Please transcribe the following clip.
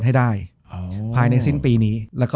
จบการโรงแรมจบการโรงแรม